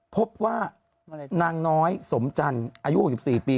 พบว่านางน้อยสมจันยุ๖๔ปี